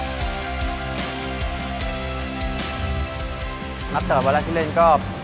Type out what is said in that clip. มัธยาวชนทีมชาติกำลังใช้แค้นนัดตัดแวดแล้วที่เล่นก็